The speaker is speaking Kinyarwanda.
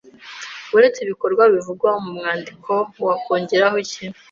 Uretse ibikorwa bivugwa mu mwandiko wakongeraho iki